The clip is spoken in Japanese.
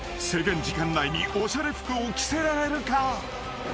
［制限時間内におしゃれ服を着せられるか？］